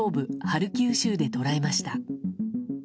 ハルキウ州で捉えました。